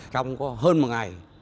trong hơn một ngày